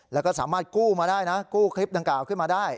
แล้วก็สามารถกู้มาได้นะกู้คลิปดังกล่าวขึ้นมาได้